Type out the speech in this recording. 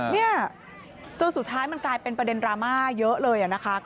เนี่ยจนสุดท้ายมันกลายเป็นประเด็นดราม่าเยอะเลยนะคะ